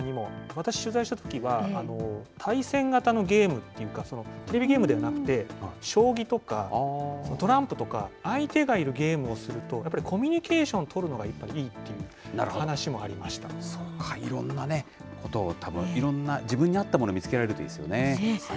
私、取材したときは、対戦型のゲームっていうか、テレビゲームではなくて、将棋とかトランプとか、相手がいるゲームをすると、やっぱりコミュニケーションとるのがやっぱりいいっていう話もあそうか、いろんなことをたぶん、いろんな自分に合ったものを見つけられるといいですよね。